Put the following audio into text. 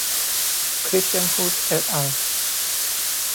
Christenhusz et al.